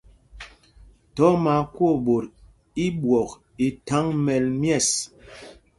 Thɔɔ mí Akwooɓot i ɓwɔk i thaŋ mɛl myɛ̂ɛs.